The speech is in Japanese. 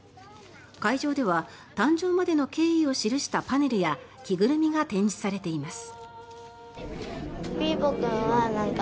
会場では誕生までの経緯を記したパネルや着ぐるみが展示されています。